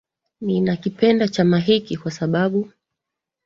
ninakipenda chama hiki kwa sababu